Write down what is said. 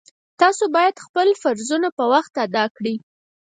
تاسو باید خپل فرضونه په وخت ادا کړئ